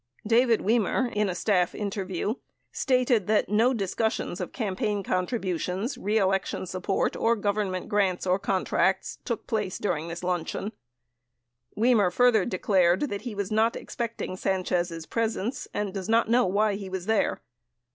92 David Wimer, in a staff interview, stated that no discussions of campaign contributions, reelection support, or Government grants or contracts took place during the luncheon. Wimer further declared that he was not expecting Sanchez' presence and does not know why he was there.